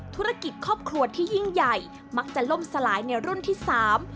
ธุรกิจครอบครัวที่ยิ่งใหญ่มักจะล่มสลายในรุ่นที่สาม